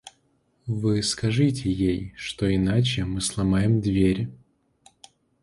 Вы скажите ей, что иначе мы сломаем дверь.